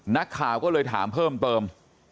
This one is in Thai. นักข่าวก็เลยถามเพิ่มเติม